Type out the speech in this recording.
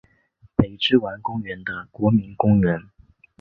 北之丸公园的国民公园。